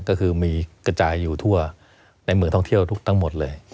ก็คือมีกระจายอยู่ทั่วในเมืองท่องเที่ยวทั้งหมดเลย